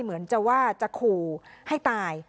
เหมือนจะว่าจะขู่ให้ตาย